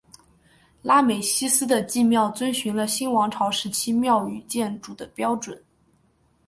拉美西斯的祭庙遵循了新王朝时期庙与建筑的标准。